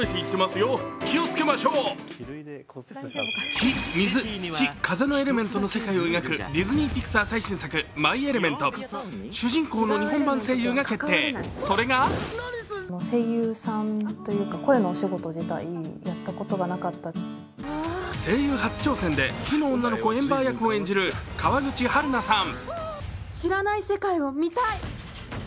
火・水・土・風のエレメントの世界を描くディズニー・ピクサー最新作「マイ・エレメント」主人公の日本版声優が決定、それが声優初挑戦で、火の女の子・エンバー役を演じる川口春奈さん。